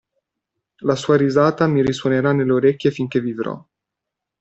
La sua risata mi risuonerà nelle orecchie finché vivrò!